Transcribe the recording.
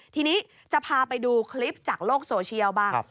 ทีนี้จะพาไปดูคลิปจากโลกโซเชียลบ้าง